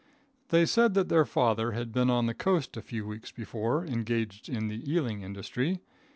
They said that their father had been on the coast a few weeks before, engaged in the eeling industry.